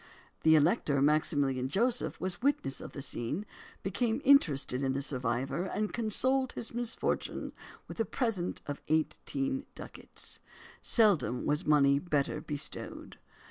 The Elector Maximilian Joseph was witness of the scene, became interested in the survivor, and consoled his misfortune with a present of eighteen ducats. Seldom was money better bestowed.